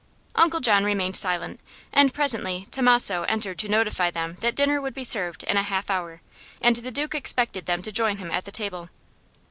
Uncle John remained silent, and presently Tommaso entered to notify them that dinner would be served in a half hour, and the Duke expected them to join him at the table.